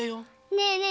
ねえねえ